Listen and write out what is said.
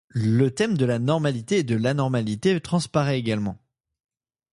Le thème de la normalité et de l'anormalité transparaît également.